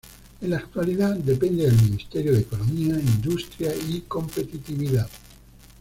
En la actualidad depende del Ministerio de Economía, Industria y Competitividad.